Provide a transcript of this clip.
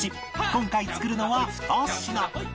今回作るのは２品